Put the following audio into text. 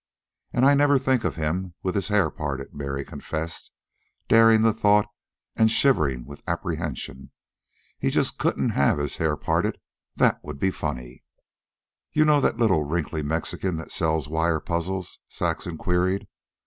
"An' I never think of him with his hair parted," Mary confessed, daring the thought and shivering with apprehension. "He just couldn't have his hair parted. THAT'D be funny." "You know that little, wrinkly Mexican that sells wire puzzles?" Saxon queried.